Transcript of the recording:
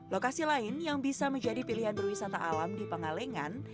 lokasi lain yang bisa menjadi pilihan berwisata alam di pengalengan